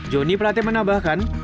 joni pratik menambahkan